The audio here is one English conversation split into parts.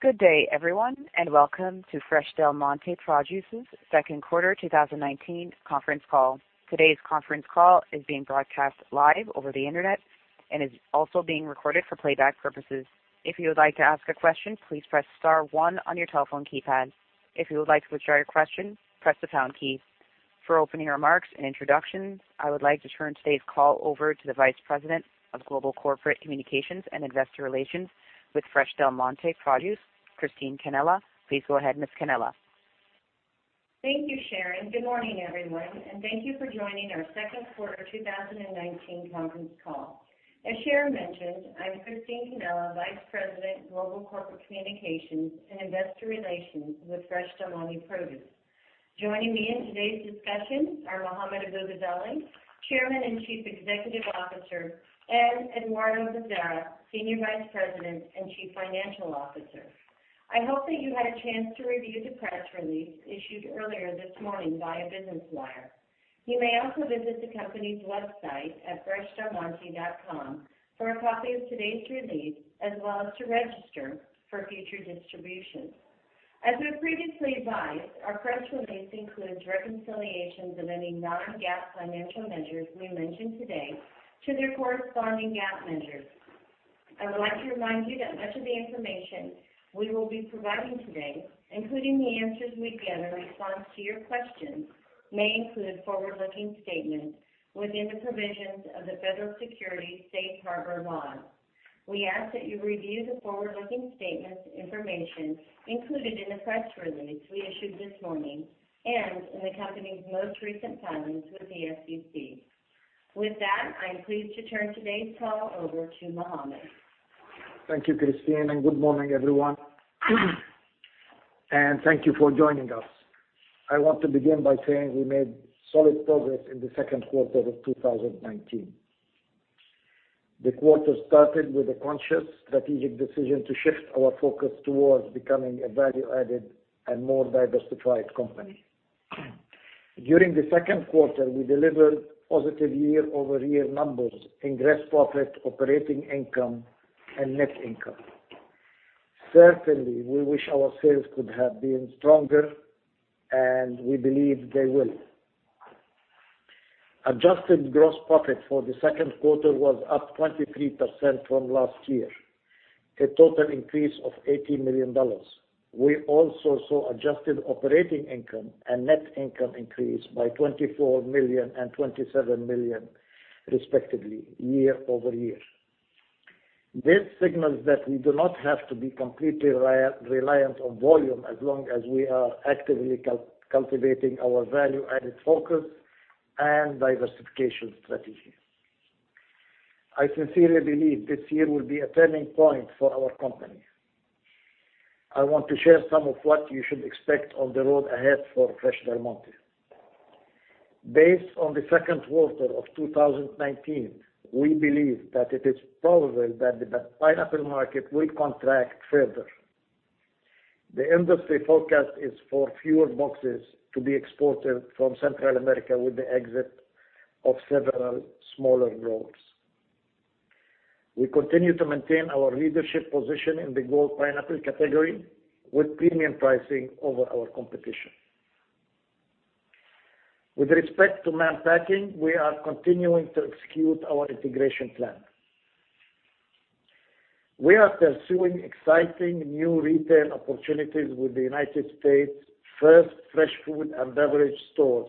Good day everyone, and welcome to Fresh Del Monte Produce's second quarter 2019 conference call. Today's conference call is being broadcast live over the internet and is also being recorded for playback purposes. If you would like to ask a question, please press star one on your telephone keypad. If you would like to withdraw your question, press the pound key. For opening remarks and introductions, I would like to turn today's call over to the Vice President of Global Corporate Communications and Investor Relations with Fresh Del Monte Produce, Christine Cannella. Please go ahead, Miss Cannella. Thank you, Sharon. Good morning, everyone, and thank you for joining our second quarter 2019 conference call. As Sharon mentioned, I'm Christine Cannella, Vice President, Global Corporate Communications and Investor Relations with Fresh Del Monte Produce. Joining me in today's discussion are Mohammad Abu-Ghazaleh, Chairman and Chief Executive Officer, and Eduardo Bezerra, Senior Vice President and Chief Financial Officer. I hope that you had a chance to review the press release issued earlier this morning via Business Wire. You may also visit the company's website at freshdelmonte.com for a copy of today's release, as well as to register for future distributions. As we previously advised, our press release includes reconciliations of any non-GAAP financial measures we mention today to their corresponding GAAP measures. I would like to remind you that much of the information we will be providing today, including the answers we give in response to your questions, may include forward-looking statements within the provisions of the Federal Securities Safe Harbor laws. We ask that you review the forward-looking statements information included in the press release we issued this morning and in the company's most recent filings with the SEC. With that, I am pleased to turn today's call over to Mohammad. Thank you, Christine, good morning, everyone. Thank you for joining us. I want to begin by saying we made solid progress in the second quarter of 2019. The quarter started with a conscious strategic decision to shift our focus towards becoming a value-added and more diversified company. During the second quarter, we delivered positive year-over-year numbers in gross profit, operating income, and net income. Certainly, we wish our sales could have been stronger, and we believe they will. Adjusted gross profit for the second quarter was up 23% from last year, a total increase of $80 million. We also saw adjusted operating income and net income increase by $24 million and $27 million respectively, year-over-year. This signals that we do not have to be completely reliant on volume as long as we are actively cultivating our value-added focus and diversification strategy. I sincerely believe this year will be a turning point for our company. I want to share some of what you should expect on the road ahead for Fresh Del Monte. Based on the second quarter of 2019, we believe that it is probable that the pineapple market will contract further. The industry forecast is for fewer boxes to be exported from Central America with the exit of several smaller growers. We continue to maintain our leadership position in the gold pineapple category with premium pricing over our competition. With respect to Mann Packing, we are continuing to execute our integration plan. We are pursuing exciting new retail opportunities with the U.S. first fresh food and beverage stores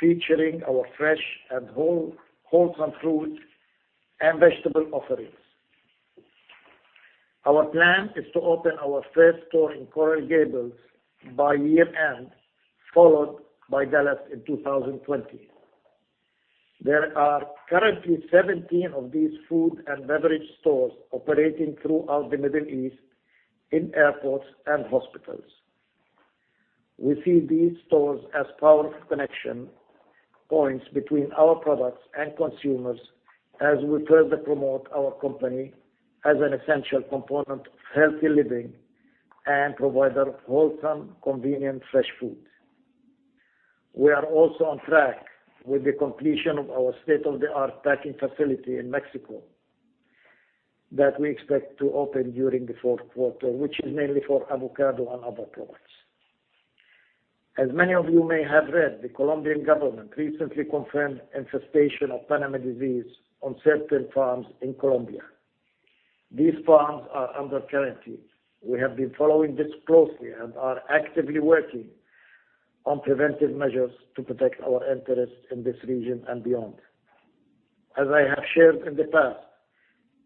featuring our fresh and wholesome fruit and vegetable offerings. Our plan is to open our first store in Coral Gables by year-end, followed by Dallas in 2020. There are currently 17 of these food and beverage stores operating throughout the Middle East in airports and hospitals. We see these stores as powerful connection points between our products and consumers as we further promote our company as an essential component of healthy living and provider of wholesome, convenient, fresh food. We are also on track with the completion of our state-of-the-art packing facility in Mexico that we expect to open during the fourth quarter, which is mainly for avocado and other products. As many of you may have read, the Colombian government recently confirmed infestation of Panama disease on certain farms in Colombia. These farms are under quarantine. We have been following this closely and are actively working on preventive measures to protect our interests in this region and beyond. As I have shared in the past,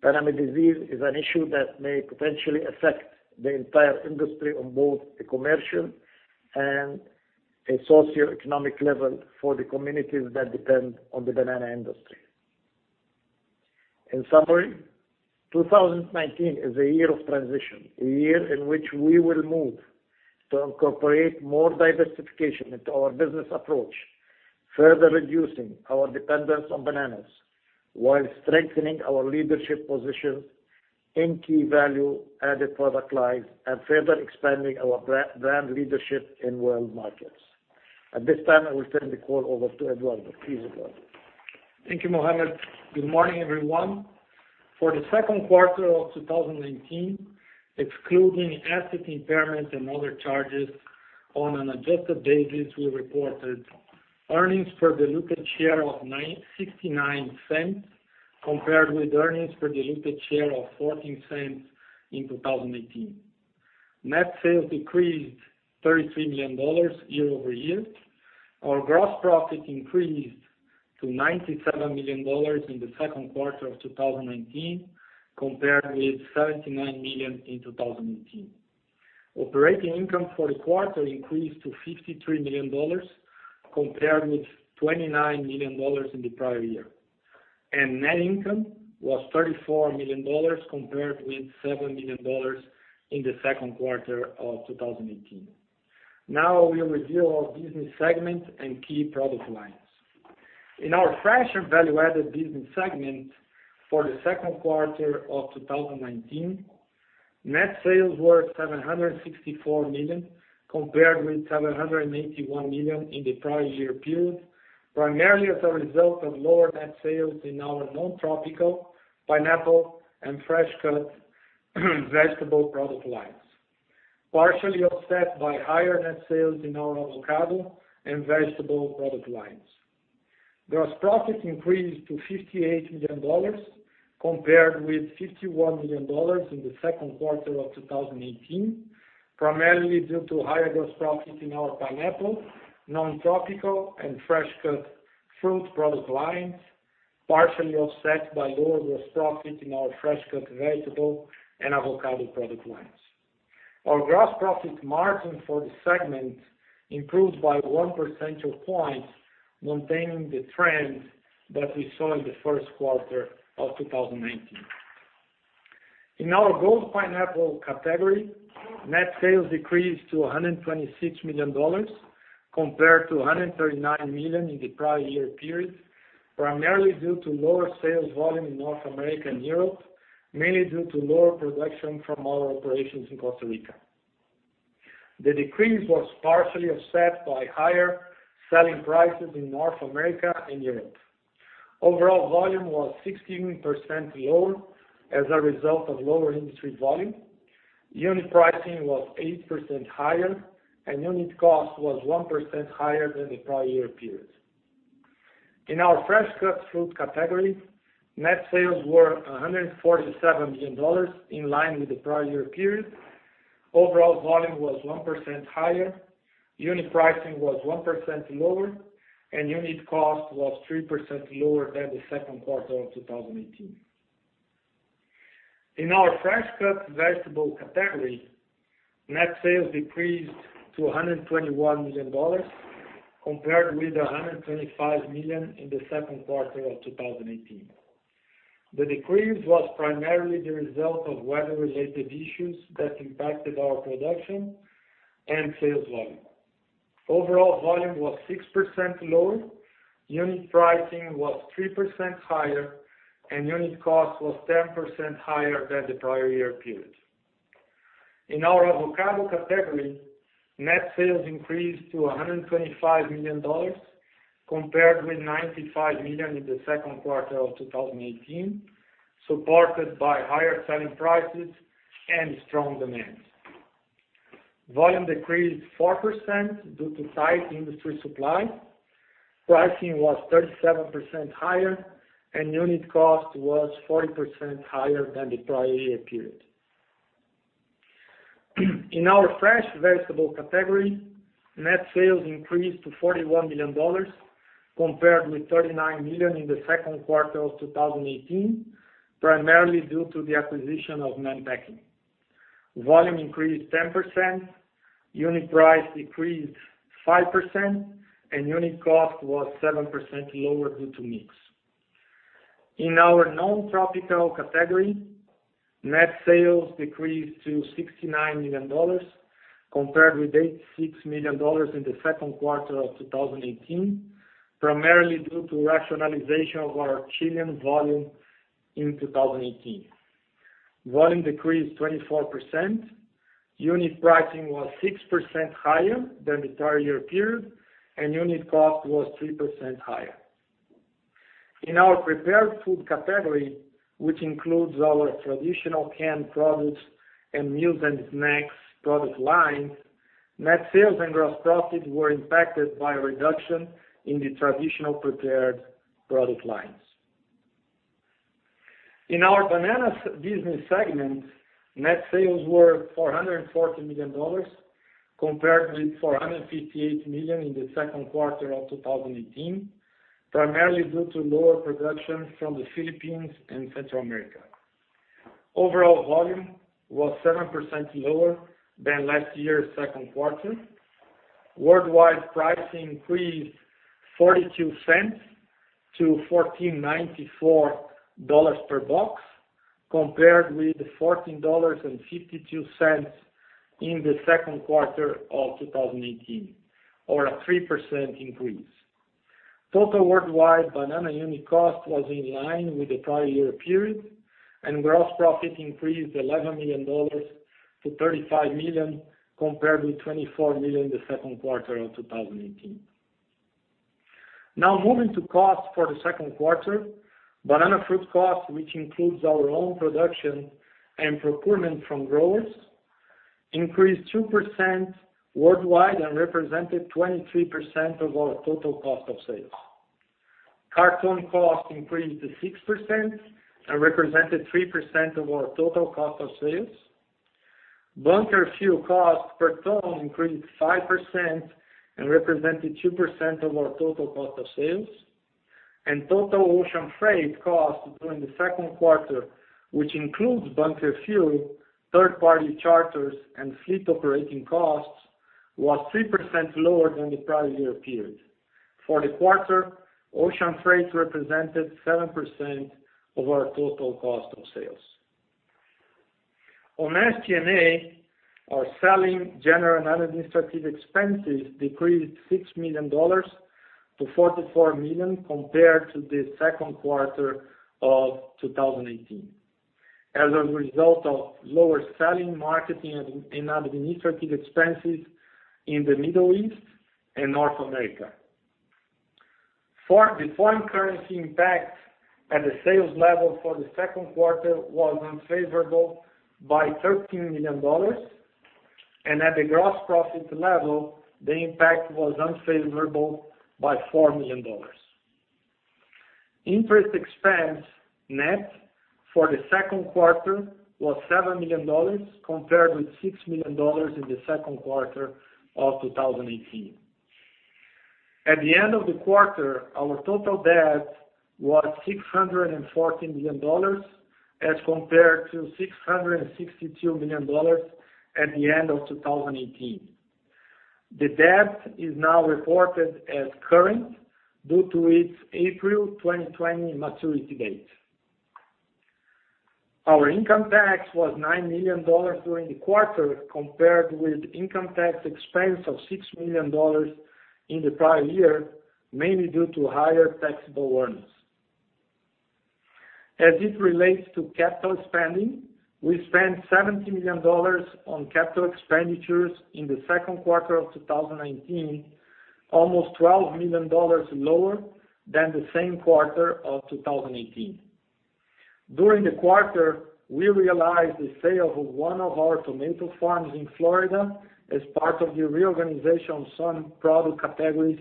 Panama disease is an issue that may potentially affect the entire industry on both the commercial and a socioeconomic level for the communities that depend on the banana industry. In summary, 2019 is a year of transition, a year in which we will move to incorporate more diversification into our business approach, further reducing our dependence on bananas while strengthening our leadership position in key value added product lines and further expanding our brand leadership in world markets. At this time, I will turn the call over to Eduardo. Please, Eduardo. Thank you, Mohammad. Good morning, everyone. For the second quarter of 2019, excluding asset impairments and other charges, on an adjusted basis, we reported earnings per diluted share of $0.69 compared with earnings per diluted share of $0.14 in 2018. Net sales decreased $33 million year-over-year. Our gross profit increased to $97 million in the second quarter of 2019, compared with $79 million in 2018. Operating income for the quarter increased to $53 million, compared with $29 million in the prior year. Net income was $34 million, compared with $7 million in the second quarter of 2018. Now we review our business segment and key product lines. In our Fresh and Value-Added Business Segment for the second quarter of 2019, net sales were $764 million, compared with $781 million in the prior year period, primarily as a result of lower net sales in our non-tropical pineapple and fresh cut vegetable product lines, partially offset by higher net sales in our avocado and vegetable product lines. Gross profit increased to $58 million compared with $51 million in the second quarter of 2018, primarily due to higher gross profit in our pineapple, non-tropical, and fresh cut fruit product lines, partially offset by lower gross profit in our fresh cut vegetable and avocado product lines. Our gross profit margin for the segment improved by one percentage point, maintaining the trend that we saw in the first quarter of 2019. In our gold pineapple category, net sales decreased to $126 million compared to $139 million in the prior year period, primarily due to lower sales volume in North America and Europe, mainly due to lower production from our operations in Costa Rica. The decrease was partially offset by higher selling prices in North America and Europe. Overall volume was 16% lower as a result of lower industry volume. Unit pricing was 8% higher, and unit cost was 1% higher than the prior year period. In our fresh cut fruit category, net sales were $147 million, in line with the prior year period. Overall volume was 1% higher, unit pricing was 1% lower, and unit cost was 3% lower than the second quarter of 2018. In our fresh cut vegetable category, net sales decreased to $121 million compared with $125 million in the second quarter of 2018. The decrease was primarily the result of weather-related issues that impacted our production and sales volume. Overall volume was 6% lower, unit pricing was 3% higher, and unit cost was 10% higher than the prior year period. In our avocado category, net sales increased to $125 million compared with $95 million in the second quarter of 2018, supported by higher selling prices and strong demand. Volume decreased 4% due to tight industry supply, pricing was 37% higher, and unit cost was 40% higher than the prior year period. In our fresh vegetable category, net sales increased to $41 million compared with $39 million in the second quarter of 2018, primarily due to the acquisition of Mann Packing. Volume increased 10%, unit price decreased 5%, and unit cost was 7% lower due to mix. In our non-tropical category, net sales decreased to $69 million compared with $86 million in the second quarter of 2018, primarily due to rationalization of our Chilean volume in 2018. Volume decreased 24%, unit pricing was 6% higher than the prior year period, and unit cost was 3% higher. In our prepared food category, which includes our traditional canned products and meals and snacks product line, net sales and gross profit were impacted by a reduction in the traditional prepared product lines. In our bananas business segment, net sales were $440 million compared with $458 million in the second quarter of 2018, primarily due to lower production from the Philippines and Central America. Overall volume was 7% lower than last year's second quarter. Worldwide pricing increased $0.42 to $14.94 per box compared with $14.52 in the second quarter of 2018, or a 3% increase. Total worldwide banana unit cost was in line with the prior year period. Gross profit increased $11 million to $35 million compared with $24 million in the second quarter of 2018. Now moving to cost for the second quarter. Banana fruit cost, which includes our own production and procurement from growers, increased 2% worldwide and represented 23% of our total cost of sales. Carton cost increased to 6% and represented 3% of our total cost of sales. Bunker fuel cost per ton increased 5% and represented 2% of our total cost of sales. Total ocean freight cost during the second quarter, which includes bunker fuel, third-party charters, and fleet operating costs, was 3% lower than the prior year period. For the quarter, ocean freight represented 7% of our total cost of sales. On SG&A, our selling, general, and administrative expenses decreased $6 million to $44 million compared to the second quarter of 2018, as a result of lower selling, marketing, and administrative expenses in the Middle East and North America. The foreign currency impact at the sales level for the second quarter was unfavorable by $13 million, and at the gross profit level, the impact was unfavorable by $4 million. Interest expense net for the second quarter was $7 million, compared with $6 million in the second quarter of 2018. At the end of the quarter, our total debt was $614 million as compared to $662 million at the end of 2018. The debt is now reported as current due to its April 2020 maturity date. Our income tax was $9 million during the quarter, compared with income tax expense of $6 million in the prior year, mainly due to higher taxable earnings. As it relates to capital spending, we spent $70 million on capital expenditures in the second quarter of 2019, almost $12 million lower than the same quarter of 2018. During the quarter, we realized the sale of one of our tomato farms in Florida as part of the reorganization of some product categories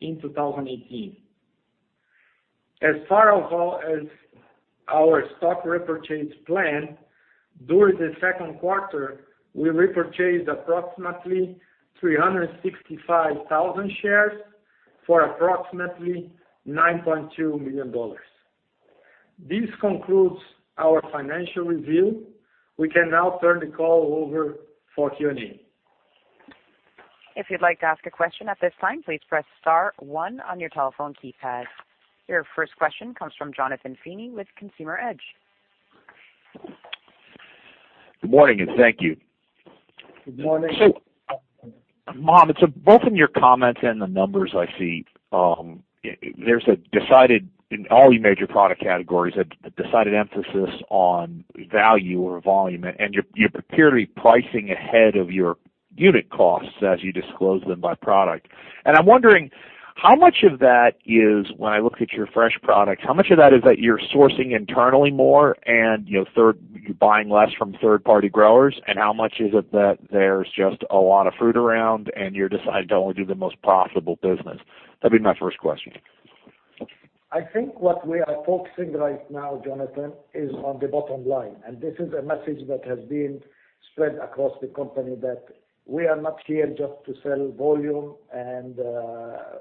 in 2018. As far as our stock repurchase plan, during the second quarter, we repurchased approximately 365,000 shares for approximately $9.2 million. This concludes our financial review. We can now turn the call over for Q&A. If you'd like to ask a question at this time, please press star one on your telephone keypad. Your first question comes from Jonathan Feeney with Consumer Edge. Good morning, and thank you. Good morning. Moh, both in your comments and the numbers I see, in all your major product categories, a decided emphasis on value or volume, and you appear to be pricing ahead of your unit costs as you disclose them by product. I'm wondering, when I look at your fresh products, how much of that is that you're sourcing internally more and you're buying less from third-party growers, and how much is it that there's just a lot of fruit around and you're deciding to only do the most profitable business? That'd be my first question. I think what we are focusing right now, Jonathan, is on the bottom line, and this is a message that has been spread across the company that we are not here just to sell volume and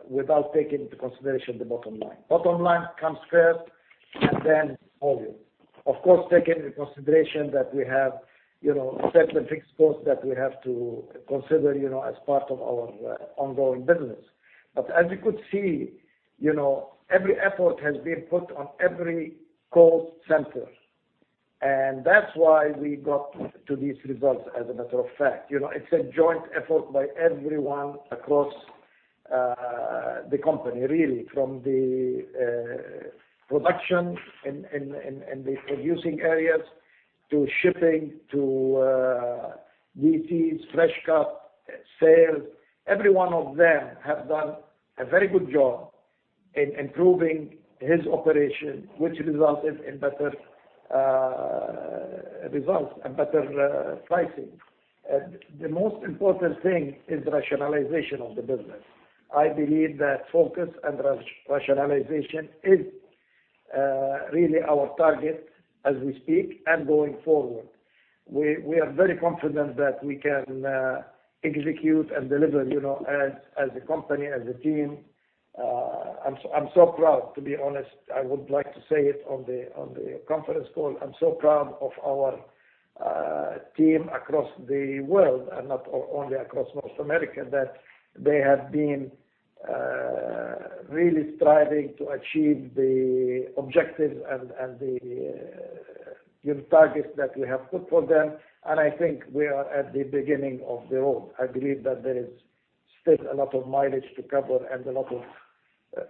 without taking into consideration the bottom line. Bottom line comes first, and then volume. Of course, taking into consideration that we have certain fixed costs that we have to consider as part of our ongoing business. As you could see, every effort has been put on every cost center. That's why we got to these results, as a matter of fact. It's a joint effort by everyone across the company, really, from the production and the producing areas to shipping to DCs, Fresh Cut, sales. Every one of them have done a very good job in improving his operation, which resulted in better results and better pricing. The most important thing is rationalization of the business. I believe that focus and rationalization is really our target as we speak and going forward. We are very confident that we can execute and deliver as a company, as a team. I'm so proud, to be honest. I would like to say it on the conference call. I'm so proud of our team across the world and not only across North America, that they have been really striving to achieve the objectives and the targets that we have put for them. I think we are at the beginning of the road. I believe that there is still a lot of mileage to cover and a lot of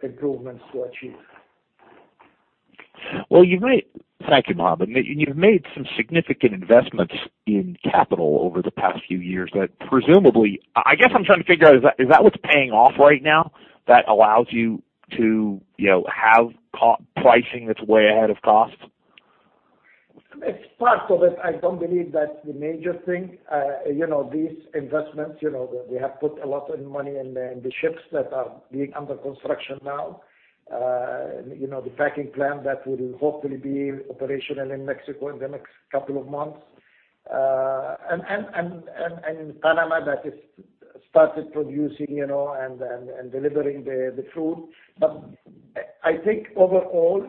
improvements to achieve. Well, thank you, Mohammad. You've made some significant investments in capital over the past few years that presumably I guess I'm trying to figure out, is that what's paying off right now that allows you to have pricing that's way ahead of cost? It's part of it. I don't believe that's the major thing. These investments, we have put a lot of money in the ships that are being under construction now. The packing plant that will hopefully be operational in Mexico in the next couple of months. In Panama, that has started producing, and delivering the fruit. I think overall,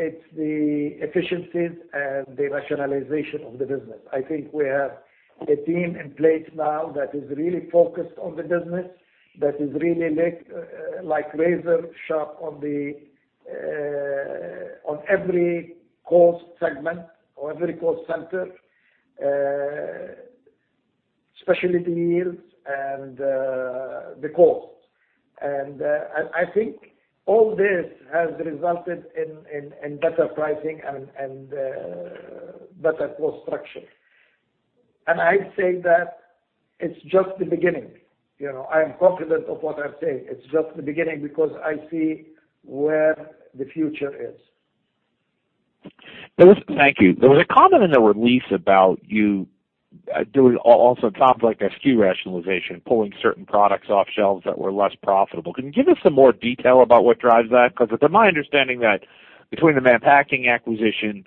it's the efficiencies and the rationalization of the business. I think we have a team in place now that is really focused on the business, that is really like razor sharp on every cost segment or every cost center, specialty yields, and the costs. I think all this has resulted in better pricing and better cost structure. I say that it's just the beginning. I am confident of what I'm saying. It's just the beginning because I see where the future is. Thank you. There was a comment in the release about you doing also it sounds like a SKU rationalization, pulling certain products off shelves that were less profitable. Can you give us some more detail about what drives that? It's my understanding that between the Mann Packing acquisition,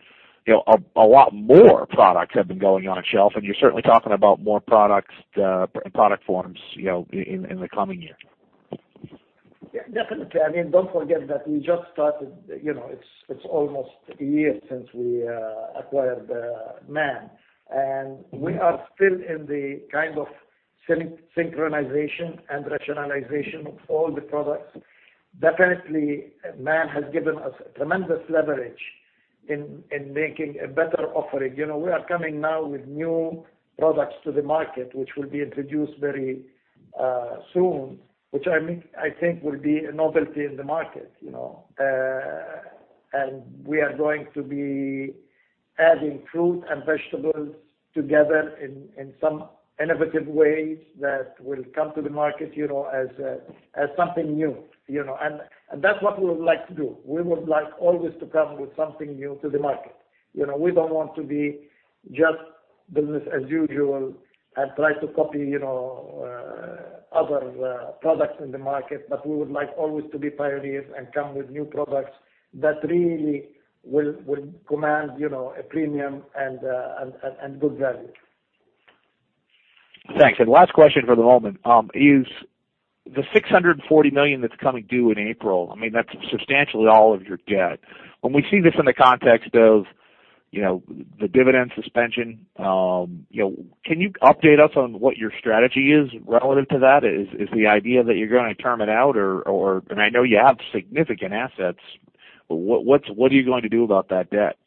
a lot more products have been going on a shelf, and you're certainly talking about more product forms in the coming year. Yeah, definitely. Don't forget that we just started. It's almost a year since we acquired Mann. We are still in the kind of synchronization and rationalization of all the products. Definitely, Mann has given us tremendous leverage in making a better offering. We are coming now with new products to the market, which will be introduced very soon. Which, I think will be a novelty in the market. We are going to be adding fruit and vegetables together in some innovative ways that will come to the market, as something new. That's what we would like to do. We would like always to come with something new to the market. We don't want to be just business as usual and try to copy other products in the market. We would like always to be pioneers and come with new products that really will command a premium and good value. Thanks. Last question for the moment. Is the $640 million that's coming due in April, that's substantially all of your debt? When we see this in the context of the dividend suspension, can you update us on what your strategy is relative to that? Is the idea that you're going to term it out? I know you have significant assets. What are you going to do about that debt?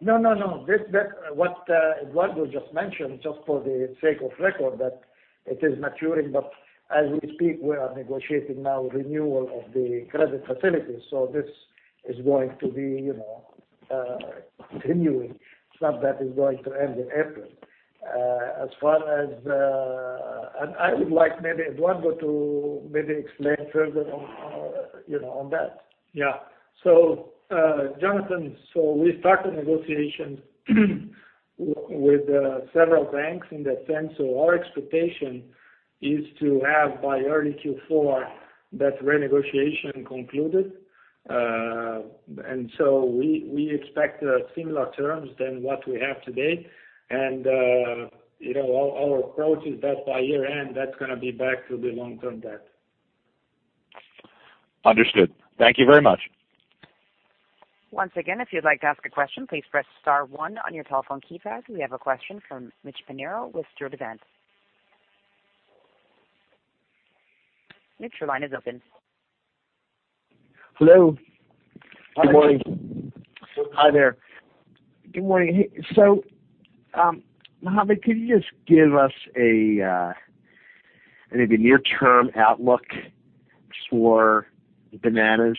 No. This debt, what Eduardo just mentioned, just for the sake of record, that it is maturing. As we speak, we are negotiating now renewal of the credit facilities. This is going to be continuing. It's not that it's going to end in April. I would like maybe Eduardo to maybe explain further on that. Jonathan, so we started negotiations with several banks in that sense. Our expectation is to have by early Q4 that renegotiation concluded. We expect similar terms than what we have today. Our approach is that by year-end, that's going to be back to the long-term debt. Understood. Thank you very much. Once again, if you'd like to ask a question, please press star one on your telephone keypad. We have a question from Mitch Pinheiro with Sturdivant & Co. Mitch, your line is open. Hello. Hi, Mitch. Good morning. Hi there. Good morning. Mohammad, can you just give us maybe a near-term outlook for bananas?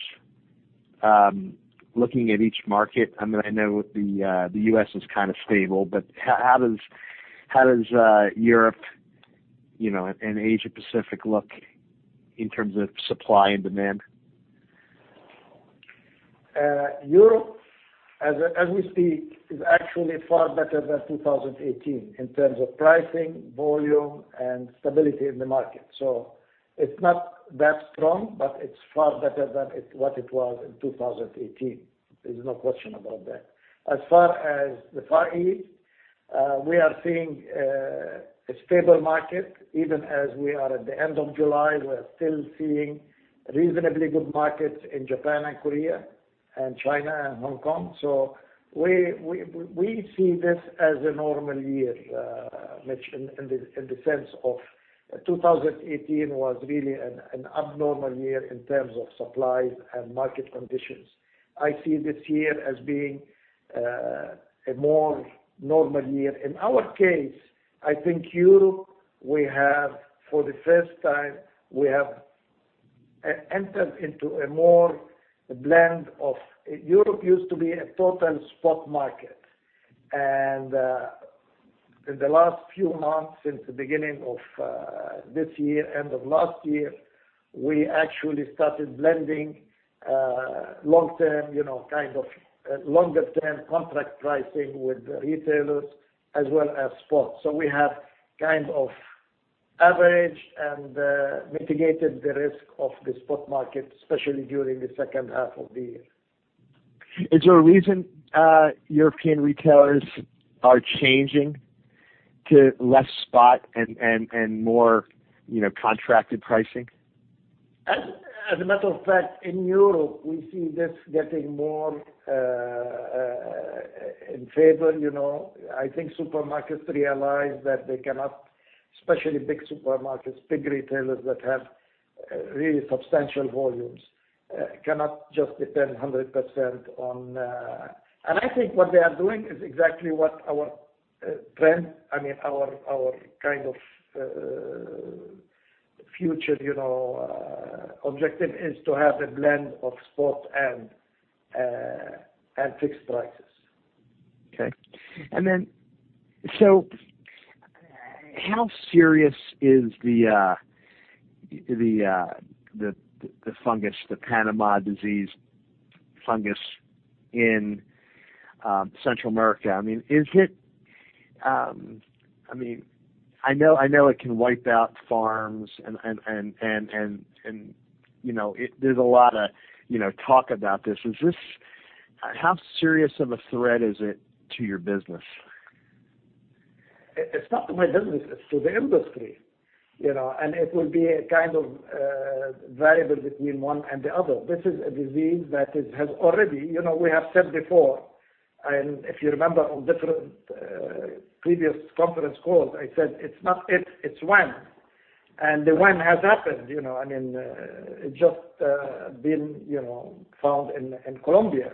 Looking at each market, I know the U.S. is kind of stable. How does Europe, and Asia-Pacific look in terms of supply and demand? Europe, as we speak, is actually far better than 2018 in terms of pricing, volume, and stability in the market. It's not that strong, but it's far better than what it was in 2018. There's no question about that. As far as the Far East, we are seeing a stable market. Even as we are at the end of July, we are still seeing reasonably good markets in Japan and Korea, and China and Hong Kong. We see this as a normal year, Mitch, in the sense of 2018 was really an abnormal year in terms of supplies and market conditions. I see this year as being a more normal year. In our case, I think Europe. We have, for the first time, entered into a more blend of Europe used to be a total spot market. In the last few months, since the beginning of this year, end of last year, we actually started blending longer term contract pricing with retailers as well as spot. We have averaged and mitigated the risk of the spot market, especially during the second half of the year. Is there a reason European retailers are changing to less spot and more contracted pricing? As a matter of fact, in Europe, we see this getting more in favor. I think supermarkets realized that they cannot, especially big supermarkets, big retailers that have really substantial volumes, cannot just depend 100% on I think what they are doing is exactly what our trend, our kind of future objective is to have a blend of spot and fixed prices. Okay. How serious is the fungus, the Panama disease fungus in Central America? I know it can wipe out farms and there's a lot of talk about this. How serious of a threat is it to your business? It's not to my business, it's to the industry. It will be a kind of variable between one and the other. This is a disease that has already, we have said before, and if you remember on different previous conference calls, I said, "It's not if, it's when." The when has happened. It just been found in Colombia.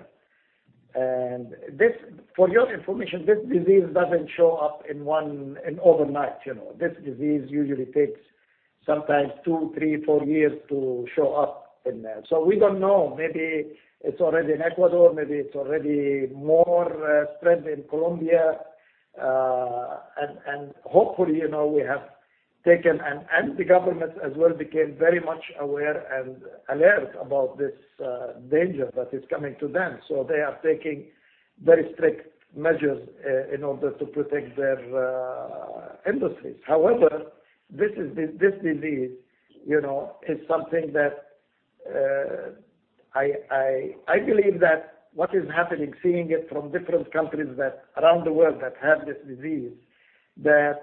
For your information, this disease doesn't show up overnight. This disease usually takes sometimes two, three, four years to show up. We don't know, maybe it's already in Ecuador, maybe it's already more spread in Colombia. Hopefully, we have taken, and the government as well became very much aware and alert about this danger that is coming to them. They are taking very strict measures in order to protect their industries. However, this disease is something that I believe that what is happening, seeing it from different countries around the world that have this disease, that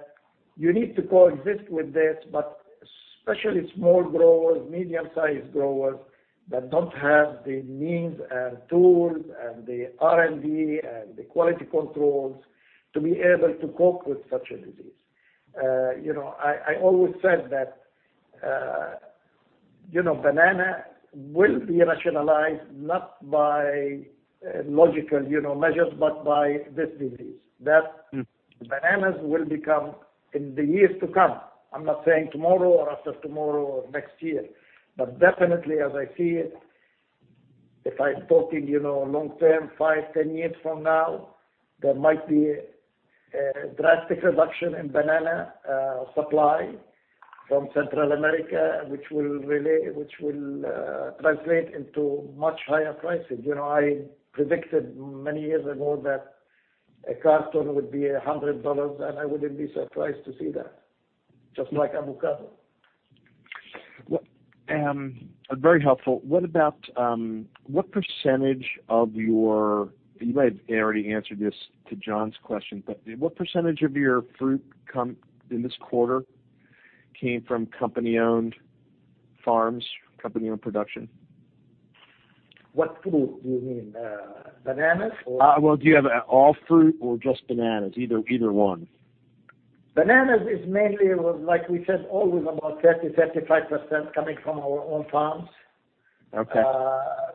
you need to coexist with this. Especially small growers, medium-sized growers that don't have the means and tools and the R&D and the quality controls to be able to cope with such a disease. I always said that banana will be rationalized not by logical measures, but by this disease. Bananas will become, in the years to come, I'm not saying tomorrow or after tomorrow or next year, but definitely as I see it, if I'm talking long term, five, 10 years from now, there might be a drastic reduction in banana supply from Central America, which will translate into much higher prices. I predicted many years ago that a carton would be $100, and I wouldn't be surprised to see that, just like avocado. Very helpful. What percentage of your, you might have already answered this to Jonathan question, but what percentage of your fruit in this quarter came from company-owned farms, company-owned production? What fruit do you mean? Bananas or? Well, do you have all fruit or just bananas? Either one. Bananas is mainly, like we said, always about 30, 35% coming from our own farms. Okay.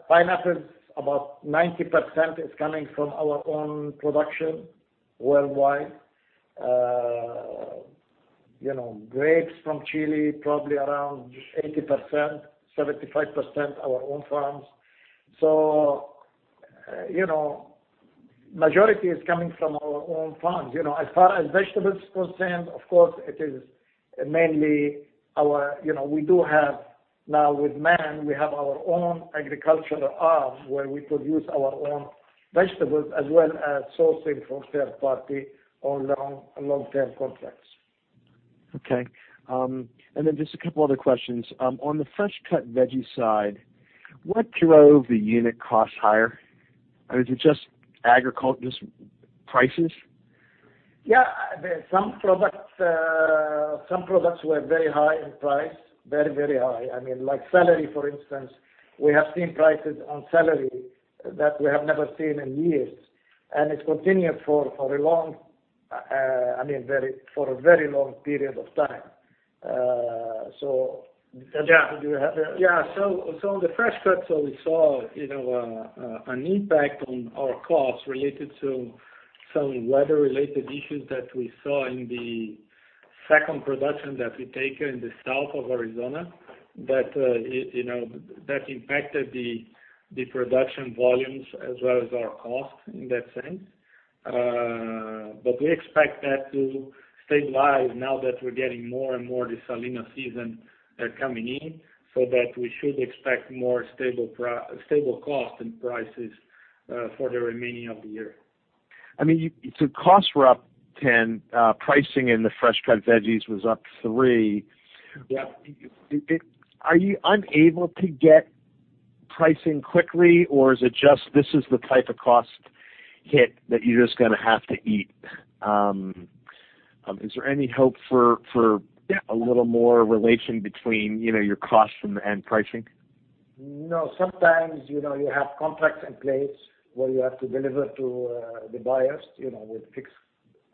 Pineapples, about 90% is coming from our own production worldwide. Grapes from Chile, probably around 80%, 75% our own farms. Majority is coming from our own farms. As far as vegetables concerned, of course, it is mainly our, we do have now with Mann, we have our own agricultural arms where we produce our own vegetables as well as sourcing from third party on long-term contracts. Okay. Just a couple other questions. On the fresh cut veggie side, what drove the unit cost higher? Is it just agriculture, just prices? Yeah. Some products were very high in price. Very high. Like celery, for instance. We have seen prices on celery that we have never seen in years. It continued for a very long period of time. On the fresh cuts, we saw an impact on our costs related to some weather-related issues that we saw in the second production that we take in the south of Arizona. That impacted the production volumes as well as our costs in that sense. We expect that to stabilize now that we're getting more and more the Salinas season coming in, so that we should expect more stable costs and prices for the remaining of the year. Costs were up 10%, pricing in the fresh cut veggies was up 3%. Yeah. Are you unable to get pricing quickly or is it just this is the type of cost hit that you're just going to have to eat? Is there any hope for-? Yeah a little more relation between your costs and pricing? No. Sometimes, you have contracts in place where you have to deliver to the buyers with fixed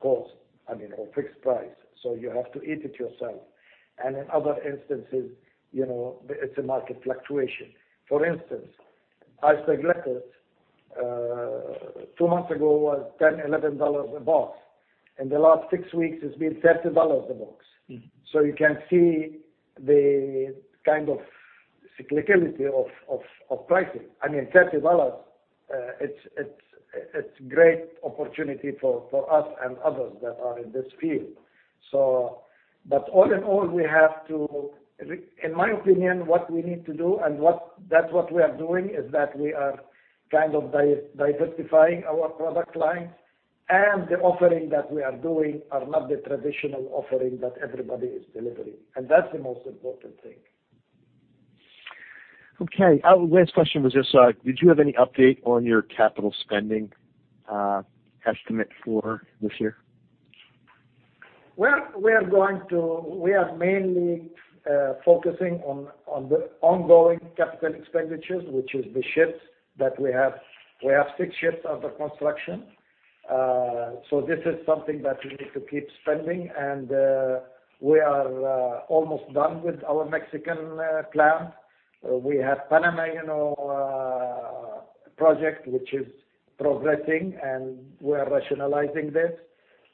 cost, I mean, or fixed price. You have to eat it yourself. In other instances, it's a market fluctuation. For instance, iceberg lettuce, two months ago was $10, $11 a box. In the last six weeks, it's been $30 a box. You can see the kind of cyclicality of pricing. I mean, $30, it's great opportunity for us and others that are in this field. All in all, in my opinion, what we need to do and that's what we are doing is that we are kind of diversifying our product lines and the offerings that we are doing are not the traditional offering that everybody is delivering. That's the most important thing. Okay. Last question was just, did you have any update on your capital spending estimate for this year? We are mainly focusing on the ongoing capital expenditures, which is the ships that we have. We have six ships under construction. This is something that we need to keep spending and we are almost done with our Mexican plant. We have Panama project which is progressing, and we're rationalizing this.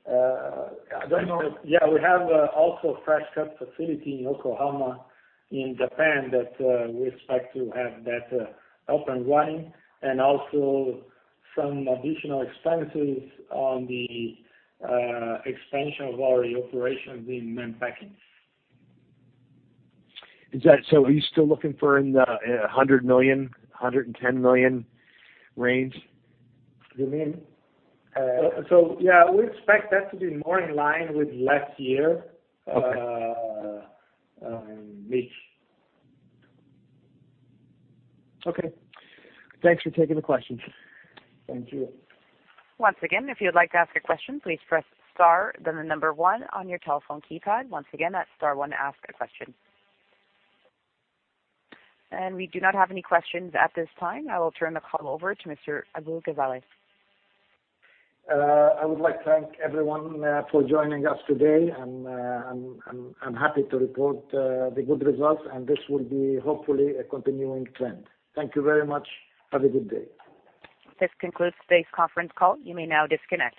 I don't know. Yeah, we have also fresh cut facility in Yokohama in Japan that we expect to have that up and running, and also some additional expenses on the expansion of our operations in packing. Are you still looking for in the $100 million, $110 million range? You mean? yeah, we expect that to be more in line with last year. Okay Mitch. Okay. Thanks for taking the questions. Thank you. Once again, if you would like to ask a question, please press star then the number one on your telephone keypad. Once again, that's star one to ask a question. We do not have any questions at this time. I will turn the call over to Mr. Mohammad Abu-Ghazaleh. I would like to thank everyone for joining us today, and I'm happy to report the good results, and this will be hopefully a continuing trend. Thank you very much. Have a good day. This concludes today's conference call. You may now disconnect.